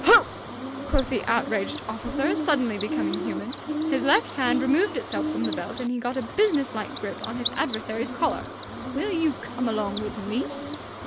"Ho!" quoth the outraged officer, suddenly becoming human. His left hand removed itself from the belt, and he got a businesslike grip on his adversary's collar. "Will you come along with me!"